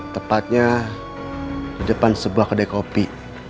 tepatnya di depan sebuah kedai kopi